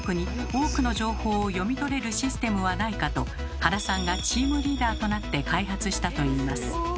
「多くの情報」を読み取れるシステムはないかと原さんがチームリーダーとなって開発したといいます。